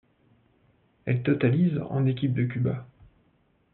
Elle totalise en équipe de Cuba.